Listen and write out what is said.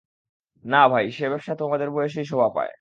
না ভাই, সে ব্যাবসা তোদের বয়সেই শোভা পায়।